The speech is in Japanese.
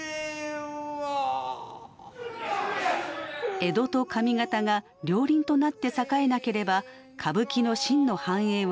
江戸と上方が両輪となって栄えなければ歌舞伎の真の繁栄はない。